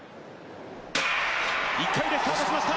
１回でスタートしました。